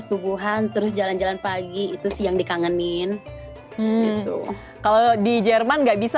subuhan terus jalan jalan pagi itu sih yang dikangenin gitu kalau di jerman nggak bisa